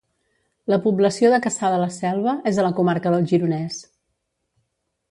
La població de Cassà de la Selva és a la comarca del Gironès